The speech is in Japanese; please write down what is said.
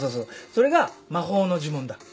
それが魔法の呪文だ。